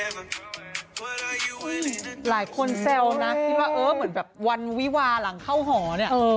หือหลายคนแซวนะหรือว่าเอ๊ะเหมือนแบบวันวีวาหลังเข้าห่อเนี้ย